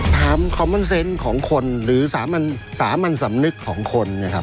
คอมมอนเซนต์ของคนหรือสามัญสำนึกของคนเนี่ยครับ